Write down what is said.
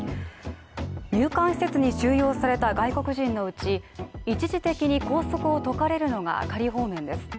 入管施設に収容された外国人のうち、一時的に拘束を解かれるのが、仮放免です。